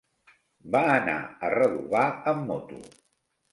Va anar a Redovà amb moto.